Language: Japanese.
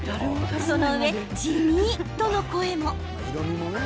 そのうえ地味との声も。